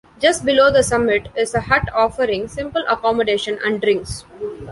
Just below the summit is a hut offering simple accommodation and drinks.